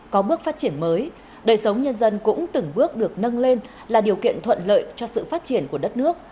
có bước phát triển mới đời sống nhân dân cũng từng bước được nâng lên là điều kiện thuận lợi cho sự phát triển của đất nước